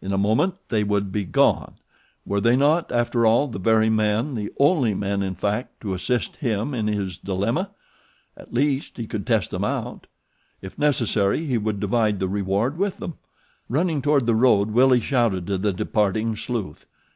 In a moment they would be gone. Were they not, after all, the very men, the only men, in fact, to assist him in his dilemma? At least he could test them out. If necessary he would divide the reward with them! Running toward the road Willie shouted to the departing sleuth.